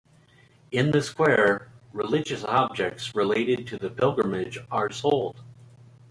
In the square, religious objects related to the pilgrimage are sold.